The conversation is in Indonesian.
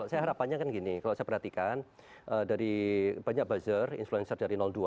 saya harapannya kan gini kalau saya perhatikan dari banyak buzzer influencer dari dua